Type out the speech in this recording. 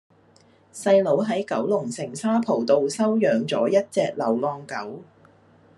細佬喺九龍城沙浦道收養左一隻流浪狗